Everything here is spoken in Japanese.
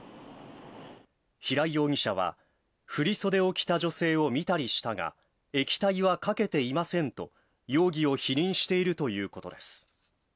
平井容疑者は、振り袖を着た女性を見たりしたが、液体はかけていませんと容疑を否認しているということです。